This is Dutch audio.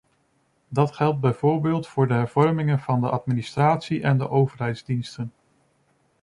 Dat geldt bijvoorbeeld voor de hervormingen van de administratie en de overheidsdiensten.